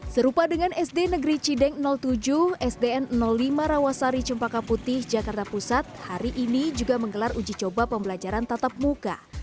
serupa dengan sd negeri cideng tujuh sdn lima rawasari cempaka putih jakarta pusat hari ini juga menggelar uji coba pembelajaran tatap muka